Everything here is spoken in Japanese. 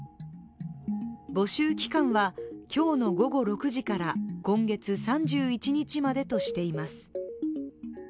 募集期間は今日の午後６時から今月３１日までとしています。